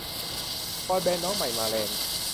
บอยแบนด์น้องใหม่มาแรง